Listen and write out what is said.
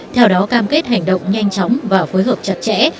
theo đó cam kết hành động nhanh chóng và phối hợp chặt chẽ